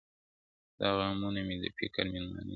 ستا غمونه مي د فكر مېلمانه سي.